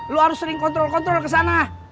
lu harus sering kontrol kontrol kesana